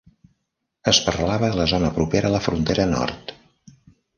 Es parlava a la zona propera a la frontera nord.